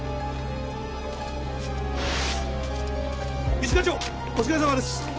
一課長お疲れさまです。